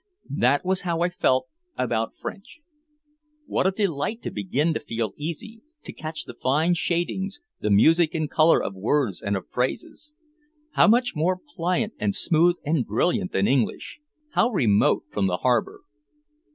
That was how I felt about French. What a delight to begin to feel easy, to catch the fine shadings, the music and color of words and of phrases. How much more pliant and smooth and brilliant than English. How remote from the harbor.